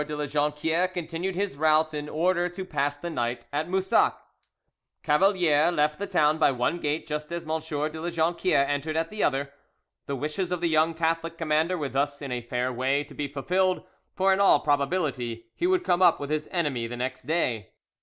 de La Jonquiere continued his route in order to pass the night at Moussac. Cavalier left the town by one gate just as M. de La Jonquiere entered at the other. The wishes of the young Catholic commander were thus in a fair way to be fulfilled, for in all probability he would come up with his enemy the next day.